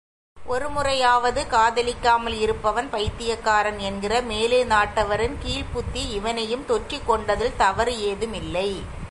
ஒருமுறையாவது காதலிக்காமல் இருப்பவன் பைத்தியக்காரன்! என்கிற மேலைநாட்டவரின் கீழ்ப்புத்தி இவனையும் தொற்றிக் கொண்டதில் தவறு ஏதும் இல்லை.